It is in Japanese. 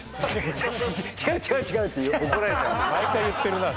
毎回言ってるな。